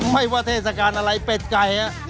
ไม่ว่าเทศกาลอะไรเป็ดไก่